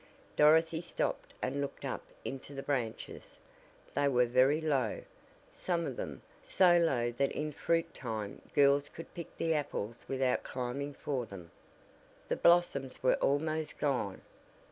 Dorothy stopped and looked up into the branches. They were very low, some of them, so low that in fruit time girls could pick the apples without climbing for them. The blossoms were almost gone.